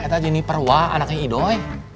itu aja ini perwa anaknya idoi